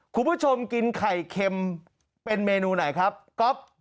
คุณผู้ชมกินไข่เค็มเป็นเมนูไหนครับก๊อฟ